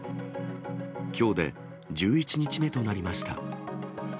きょうで１１日目となりました。